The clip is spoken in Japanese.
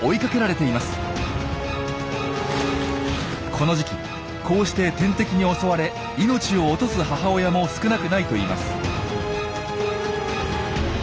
この時期こうして天敵に襲われ命を落とす母親も少なくないといいます。